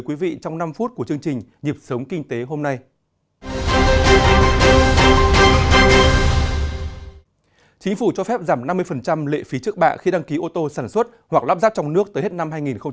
chính phủ cho phép giảm năm mươi lệ phí trước bạ khi đăng ký ô tô sản xuất hoặc lắp ráp trong nước tới hết năm hai nghìn hai mươi